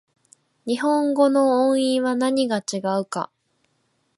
日本語の音韻は何が違うか